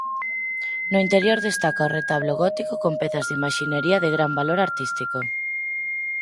No interior destaca o retablo gótico con pezas de imaxinería de gran valor artístico.